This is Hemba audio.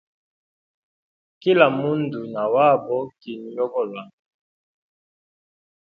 Kila mundu na wabo kinwe yogolwa.